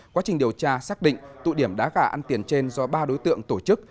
quá trình điều tra xác định tụ điểm đá gà ăn tiền trên do ba đối tượng tổ chức